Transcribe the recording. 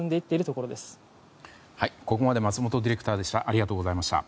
ここまで松本ディレクターでした。